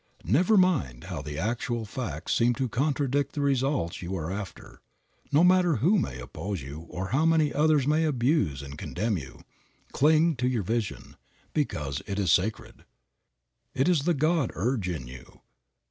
Never mind how the actual facts seem to contradict the results you are after. No matter who may oppose you or how much others may abuse and condemn you, cling to your vision, because it is sacred. It is the God urge in you.